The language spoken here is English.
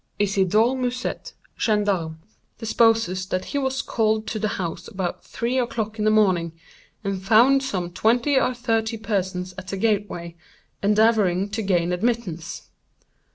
"Isidore Musèt, gendarme, deposes that he was called to the house about three o'clock in the morning, and found some twenty or thirty persons at the gateway, endeavoring to gain admittance.